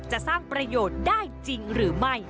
จะสร้างประโยชน์ได้จริงหรือไม่